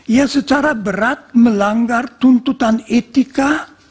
ia secara berat melanggar tuntutan etika